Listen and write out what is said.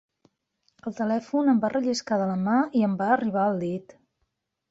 El telèfon em va relliscar de la mà i em va arribar al dit.